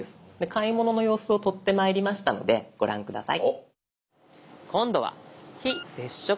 買い物の様子を撮ってまいりましたのでご覧下さい。